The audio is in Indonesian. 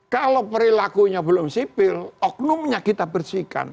kalau perilakunya belum sipil oknumnya kita bersihkan